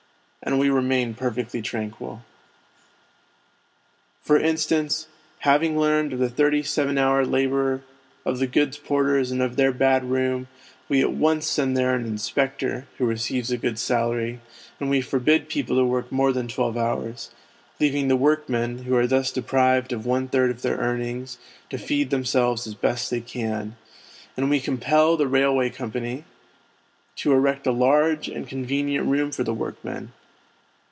And we remain perfectly tranquil. For instance, having learned of the thirty seven hour labour of the goods porters and of their bad room, we at once send there an inspector (who receives a good salary), and we forbid people to work more than twelve hours, leaving the workmen (who are thus deprived of one third of their earnings) to feed themselves as best they can ; and we compel the Eailway Company to SOCIETY'S INDIFFERENCE 33 erect a large and convenient room for the work men.